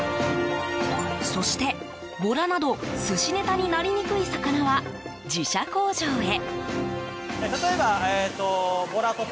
そしてボラなど寿司ネタになりにくい魚は自社工場へ。